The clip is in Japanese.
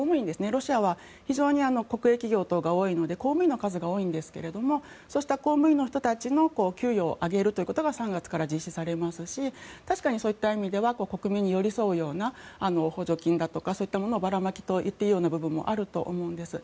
ロシアは非常に国営企業等が多いので公務員の数が多いんですがそうした公務員の人たちの給与を上げることが３月に実施されますし確かにそういう意味では国民に寄り添うような補助金だとかをばらまきといっていい部分もあると思うんです。